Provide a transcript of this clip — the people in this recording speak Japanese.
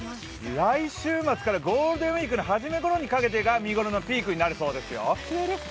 来週末からゴールデンウイークのはじめごろにかけてが、見ごろのピークになるそうですよ。